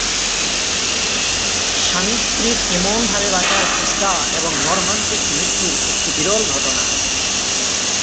স্বামী-স্ত্রীর এমনভাবে বাঁচার চেষ্টা এবং মর্মান্তিক মৃত্যু একটি বিরল ঘটনা।